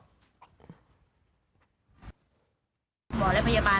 กระทั่งเด็กคลอดออกมาก่อนกำหนด